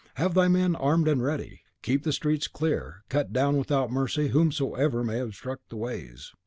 Have thy men armed and ready; keep the streets clear; cut down without mercy whomsoever may obstruct the ways."